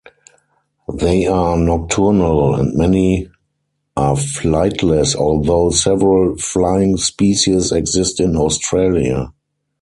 They are nocturnal and many are flightless although several flying species exist in Australia.